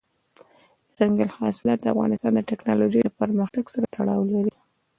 دځنګل حاصلات د افغانستان د تکنالوژۍ له پرمختګ سره تړاو لري.